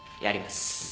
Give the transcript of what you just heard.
やります